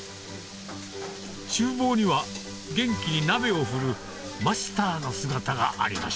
厨房には元気に鍋を振るマスターの姿がありました